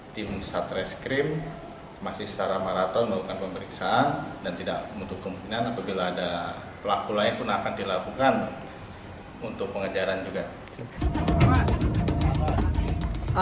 tim satreskrim masih secara maraton melakukan pemeriksaan dan tidak menutup kemungkinan apabila ada pelaku lain pun akan dilakukan untuk pengejaran juga